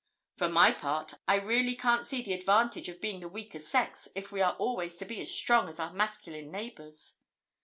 For my part, I really can't see the advantage of being the weaker sex if we are always to be as strong as our masculine neighbours.